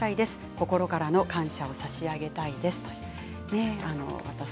心からの感謝を差し上げたいですということです。